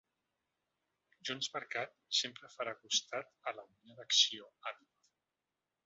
JxCat sempre farà costat a la unitat d’acció, ha dit.